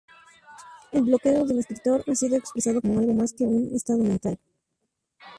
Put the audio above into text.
El bloqueo del escritor ha sido expresado como algo más que un estado mental.